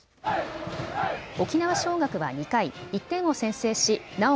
沖縄尚学は２回、１点を先制しなお